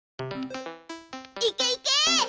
いけいけ！